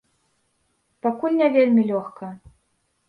Пакуль не вельмі лёгка.